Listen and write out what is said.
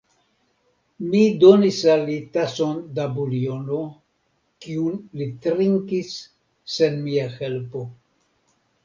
Mi donis al li tason da buljono, kiun li trinkis sen mia helpo.